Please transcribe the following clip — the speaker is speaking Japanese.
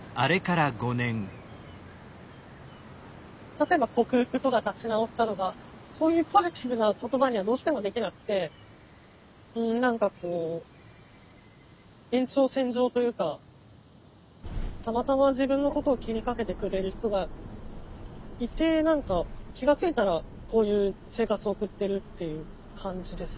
例えば克服とか立ち直ったとかそういうポジティブな言葉にはどうしてもできなくてうん何かこう延長線上というかたまたま自分のことを気にかけてくれる人がいて何か気が付いたらこういう生活を送ってるっていう感じです。